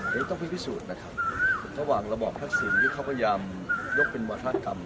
อันนี้ต้องไปพิสูจน์นะครับระหว่างระบอบทักษิณที่เขาพยายามยกเป็นวาธกรรม